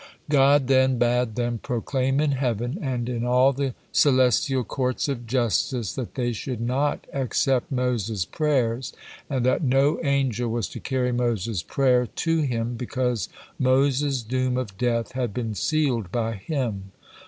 God then bade them proclaim in heaven, and in all the celestial courts of justice, that they should not accept Moses' prayers, and that no angel was to carry Moses' prayer to Him, because Moses' doom of death had been sealed by Him.